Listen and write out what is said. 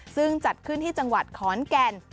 ซึ่งจัดขึ้นที่จังหวัดขอนแก่น